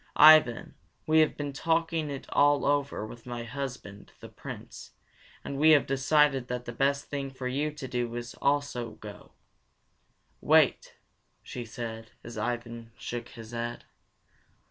Ivan, we have been talking it all over with my husband, the Prince, and we have decided that the best thing for you to do is to go also. Wait," she said as Ivan shook his head.